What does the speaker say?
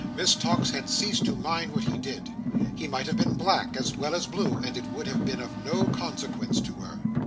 Miss Tox had ceased to mind what he did. He might have been black as well as blue, and it would have been of no consequence to her.